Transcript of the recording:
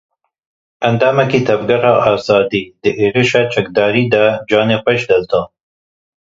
Endamekî Tevgera Azadî di êrişa çekdarî de canê xwe ji dest da.